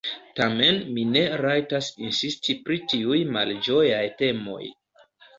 Tamen mi ne rajtas insisti pri tiuj malĝojaj temoj.